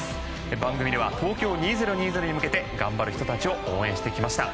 番組では東京２０２０に向けて頑張る人たちを応援してきました。